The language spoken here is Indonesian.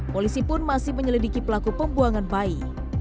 polisi pun masih menyelidiki pelaku pembuangan bayi